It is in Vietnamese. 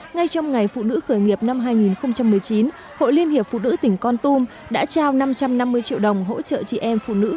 ngay trong ngày phụ nữ khởi nghiệp năm hai nghìn một mươi chín hội liên hiệp phụ nữ tỉnh con tum đã trao năm trăm năm mươi triệu đồng hỗ trợ chị em phụ nữ